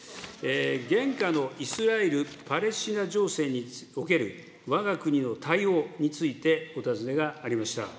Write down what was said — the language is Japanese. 現下のイスラエル・パレスチナ情勢におけるわが国の対応について、お尋ねがありました。